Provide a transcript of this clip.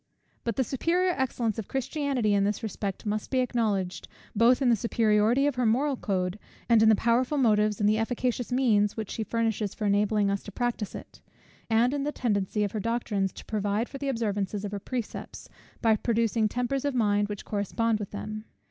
But the superior excellence of Christianity in this respect must be acknowledged, both in the superiority of her moral code, and in the powerful motives and efficacious means which she furnishes for enabling us to practise it; and in the tendency of her doctrines to provide for the observance of her precepts, by producing tempers of mind which correspond with them.